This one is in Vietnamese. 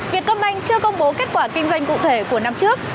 vietcombank chưa công bố kết quả kinh doanh cụ thể của năm trước